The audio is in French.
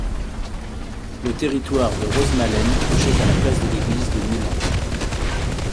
Le territoire de Rosmalen touchait à la place de l'église de Nuland.